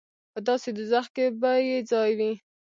په داسې دوزخ کې به یې ځای وي.